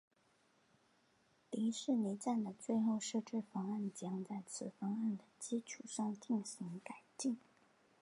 迪士尼站的最后设计方案将在此方案的基础上进行改进。